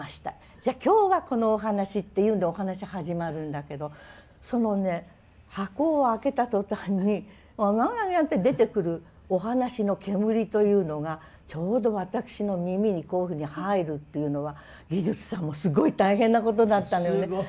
じゃあ今日はこのお話」っていうのでお話始まるんだけどそのね箱を開けた途端にほわんわんって出てくるお話の煙というのがちょうど私の耳にこういうふうに入るっていうのは技術さんもすごい大変なことだったのよね。